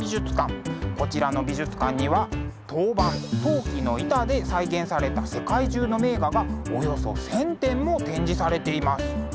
こちらの美術館には陶板陶器の板で再現された世界中の名画がおよそ１，０００点も展示されています。